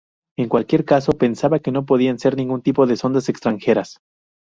En cualquier caso, pensaba que no podían ser ningún tipo de sondas extranjeras.